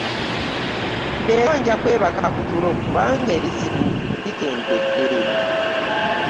Leero nja kwebaka ku tulo kubanga ebizibu bikendedde.